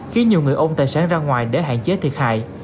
khiến nhiều người ôm tài sản ra ngoài để hạn chế thiệt hại